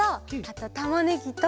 あとたまねぎと。